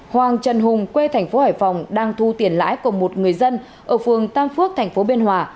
hoàng trần hùng quê thành phố hải phòng đang thu tiền lãi của một người dân ở phường tam phước thành phố biên hòa